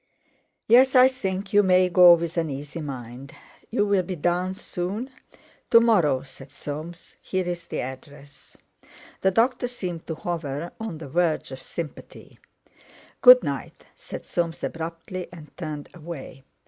"Yes, I think you may go with an easy mind. You'll be down soon?" "To morrow," said Soames. "Here's the address." The doctor seemed to hover on the verge of sympathy. "Good night!" said Soames abruptly, and turned away.